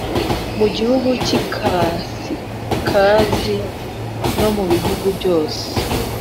Mu gihugu cy ikasikazi no mu bihugu byose